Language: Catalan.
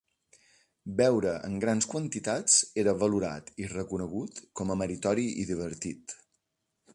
Beure en grans quantitats era valorat i reconegut com a meritori i divertit.